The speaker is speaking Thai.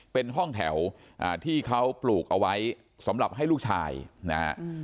เป็นห้องแถวที่เขาปลูกเอาไว้สำหรับให้ลูกชายนะฮะ